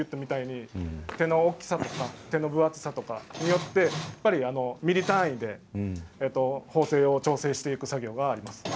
手の大きさとか分厚さによってやっぱりミリ単位で縫製を調整していく作業があります。